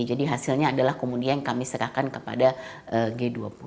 jadi hasilnya adalah komunike yang kami serahkan kepada g dua puluh